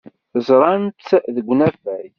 Ẓrant-tt deg unafag.